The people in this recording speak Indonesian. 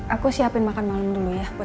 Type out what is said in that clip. aku siapin makan malam dulu ya buat kita sembuh